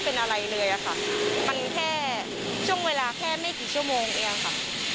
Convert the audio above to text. เป็นอะไรเลยอะค่ะมันแค่ช่วงเวลาแค่ไม่กี่ชั่วโมงเองค่ะ